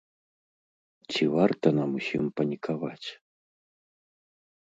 Ці варта нам усім панікаваць?